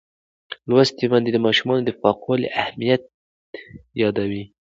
لوستې میندې د ماشومانو د پاکوالي اهمیت یادوي.